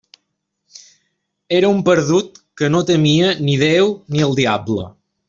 Era un perdut que no temia ni Déu ni el diable.